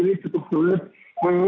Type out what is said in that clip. lapas kelas satu tangerang